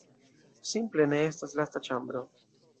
Simple, ne estas lasta ĉambro.